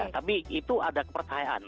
tapi itu ada kepercayaan